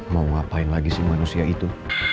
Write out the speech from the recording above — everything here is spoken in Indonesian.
mau ngapain lagi si manusia itu